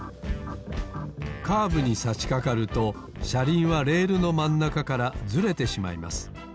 カーブにさしかかるとしゃりんはレールのまんなかからずれてしまいます。